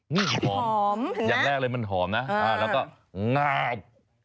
นี่หอมอย่างแรกเลยมันหอมนะแล้วก็งาบ